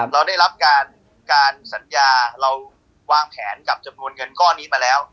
เราได้รับการสัญญาเราวางแผนกับจำนวนเงินก้อนนี้มาแล้ว